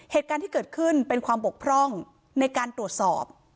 เหตุการณ์ที่เกิดขึ้นเป็นความบกพร่องในการตรวจสอบ